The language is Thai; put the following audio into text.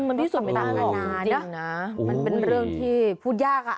มันเป็นเรื่องที่พูดยาก